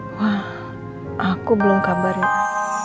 wah aku belum kabar itu